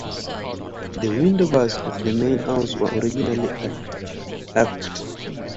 The window bays of the main house were originally arched.